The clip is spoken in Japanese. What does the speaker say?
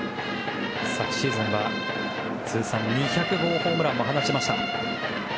昨シーズンは通算２００号ホームランも放ちました。